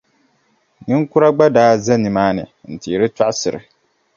Niŋkura gba daa za nimaani n-teeri tɔɣisiri.